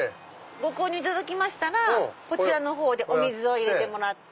ご購入いただきましたらこちらでお水を入れてもらって。